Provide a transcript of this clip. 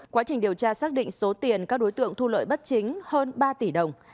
quá trình điều tra xác định số tiền các đối tượng thu lợi bất chính hơn ba tỷ đồng